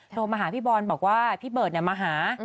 โทรมาหาพี่บอลบอกว่าพี่เบิร์ตมาหา